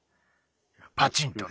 パチンとな。